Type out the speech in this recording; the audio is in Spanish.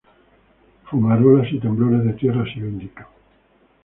Fumarolas y temblores de tierra así lo indican.